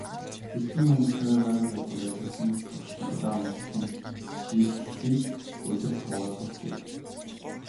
Эртний хүмүүс цаг агаарын байдлыг ажигласан туршлагадаа үндэслэн жилийг улиралд хувааж сурчээ.